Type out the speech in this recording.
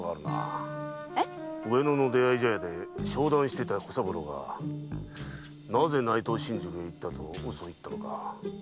上野の出会い茶屋で商談してた小三郎がなぜ「内藤新宿に行った」と嘘を言ったのか。